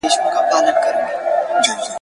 که تدریس پر وخت پیل سي، ګډوډي نه رامنځته کېږي.